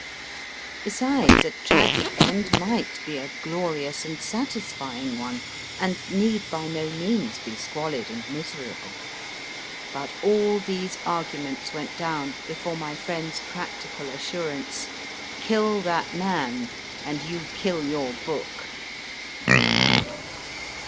Besides, a tragic COMINc; UP IX THE TRAIN 72 MY FIRST BOOK end might be a glorious and satisfying one, and need by no means be squalid and miserable. But all these arguments went down before my friend s practical assurance : Kill that man, and you kill your book.